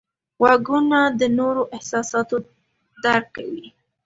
غوږونه د نورو احساسات درک کوي